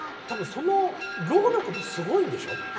多分その労力もすごいんでしょ？